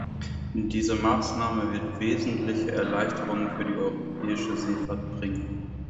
Diese Maßnahme wird wesentliche Erleichterungen für die europäische Seefahrt bringen.